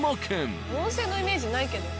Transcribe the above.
温泉のイメージないけど。